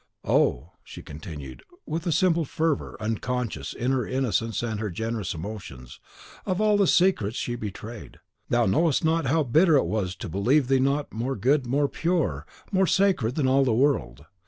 Oh!" she continued, with a simple fervour, unconscious, in her innocence and her generous emotions, of all the secrets she betrayed, "thou knowest not how bitter it was to believe thee not more good, more pure, more sacred than all the world.